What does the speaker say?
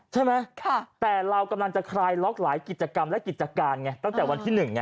ใช่ไหมแต่เรากำลังจะคลายล็อกหลายกิจกรรมและกิจการไงตั้งแต่วันที่๑ไง